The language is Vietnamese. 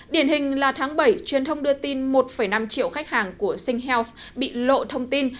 điển hình là tháng bảy truyền thông đưa tin một năm triệu khách hàng của singhealth bị lộ thông tin